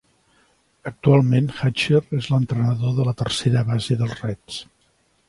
Actualment, Hatcher és l'entrenador de la tercera base dels Reds.